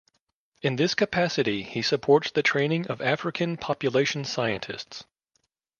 In this capacity he supports the training of African population scientists.